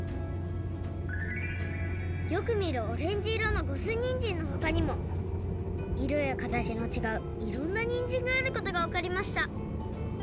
よくみるオレンジ色の五寸にんじんのほかにもいろやかたちのちがういろんなにんじんがあることがわかりました。